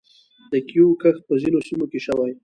د کیوي کښت په ځینو سیمو کې شوی.